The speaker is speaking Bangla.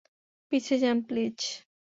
পিছিয়ে যান, প্লিজ।